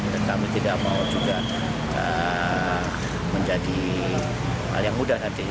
dan kami tidak mau juga menjadi hal yang mudah nanti